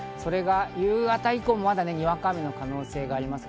夕方以降もにわか雨の可能性があります。